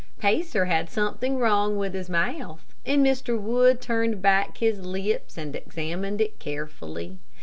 Pacer had something wrong with his mouth, and Mr. Wood turned back his lips and examined it carefully.